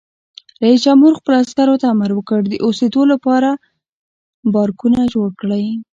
رئیس جمهور خپلو عسکرو ته امر وکړ؛ د اوسېدو لپاره بارکونه جوړ کړئ!